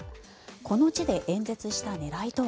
この地で演説した狙いとは。